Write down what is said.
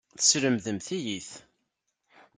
Teslemdemt-iyi-t.